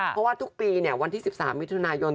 เพราะว่าทุกปีวันที่๑๓มิถุนายน